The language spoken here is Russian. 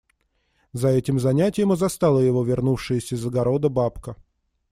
За этим занятием и застала его вернувшаяся из огорода бабка.